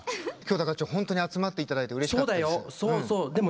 きょう本当に集まっていただいてうれしかったです。